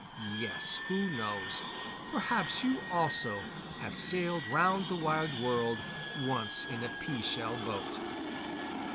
Yes, who knows? Perhaps you also have sailed round the wide world once in a pea shell boat.